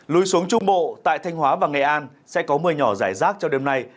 lùi xuống trung bộ tại thanh hóa và nghệ an sẽ có mưa nhỏ rải rác cho đêm nay